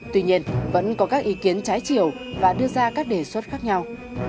tuy nhiên vẫn có các ý kiến trái chiều và đưa ra các đề xuất khác nhau